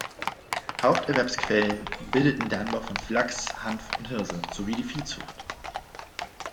Haupterwerbsquellen bildeten der Anbau von Flachs, Hanf und Hirse sowie die Viehzucht.